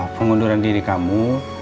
pengunduran diri kamu